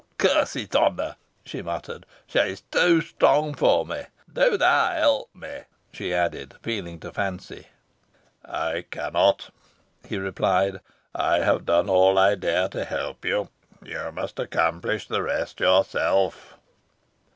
"Curses on her!" she muttered, "she is too strong for me. Do thou help me," she added, appealing to Fancy. "I cannot," he replied; "I have done all I dare to help you. You must accomplish the rest yourself."